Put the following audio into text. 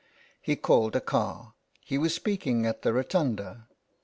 He called a car. He was speaking at the Rotunda.